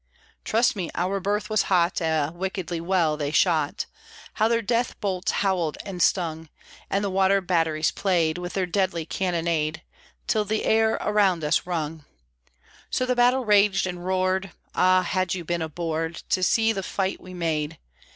Trust me, our berth was hot, Ah, wickedly well they shot How their death bolts howled and stung! And the water batteries played With their deadly cannonade Till the air around us rung; So the battle raged and roared; Ah, had you been aboard To have seen the fight we made!